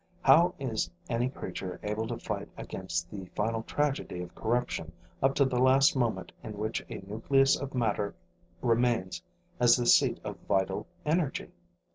How is any creature able to fight against the final tragedy of corruption up to the last moment in which a nucleus of matter remains as the seat of vital energy?